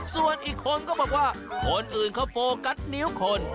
ส่วนอีกคนก็บอกว่าคนอื่นเขาโฟกัสนิ้วคน